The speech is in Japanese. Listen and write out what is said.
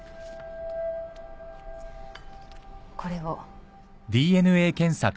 これを。